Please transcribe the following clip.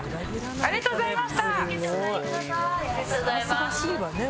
ありがとうございます。